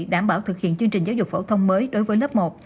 đảm bảo thực hiện chương trình giáo dục phổ thông mới đối với lớp một